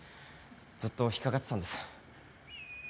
ずっと引っかかってたんです。